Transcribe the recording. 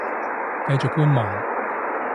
繼續觀望